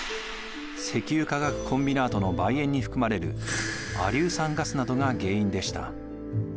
石油化学コンビナートのばい煙に含まれる亜硫酸ガスなどが原因でした。